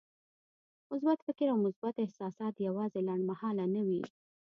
مثبت فکر او مثبت احساسات يوازې لنډمهاله نه وي.